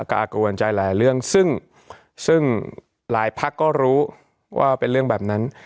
อากูวันใจหลายเรื่องซึ่งลายภัครตามรู้ว่าเป็นเรื่องแบบนั้น